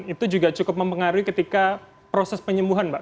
itu juga cukup mempengaruhi ketika proses penyembuhan mbak